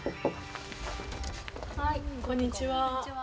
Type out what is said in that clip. こんにちは。